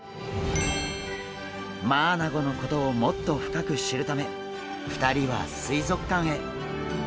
マアナゴのことをもっと深く知るため２人は水族館へ。